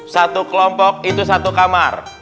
satu kelompok itu satu kamar